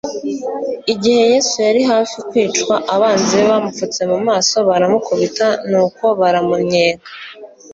Igihe Yesu yari hafi kwicwa, abanzi be bamupfutse mu maso, baramukubita, nuko baramunnyega